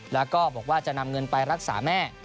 แล้วก็บอกว่าจะนำเงินไปรักษาแม่